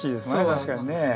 確かにね。